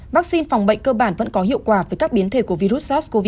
vaccine phòng bệnh cơ bản vẫn có hiệu quả với các biến thể của virus sars cov hai